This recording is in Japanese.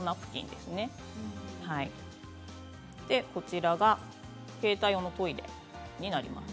そして携帯用のトイレになります。